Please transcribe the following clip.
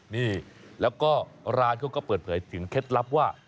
นี่แล้วก็ร้านเขาก็เปิดเผยถึงเคล็ดลับว่า